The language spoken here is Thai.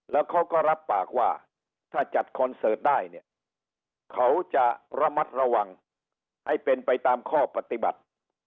แล้วเขาก็รับปากว่าถ้าจัดคอนเสิร์ตได้เนี่ยเขาจะระมัดระวังให้เป็นไปตามข้อปฏิบัติ